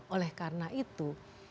oleh karena itu